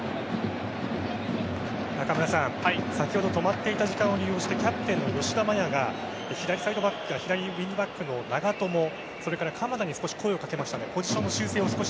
中村さん、先ほど止まっていた時間を利用してキャプテンの吉田麻也が左サイドバック左ウィングバックの長友そして鎌田に声をかけました。